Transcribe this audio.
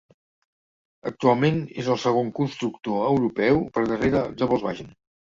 Actualment és el segon constructor europeu, per darrere de Volkswagen.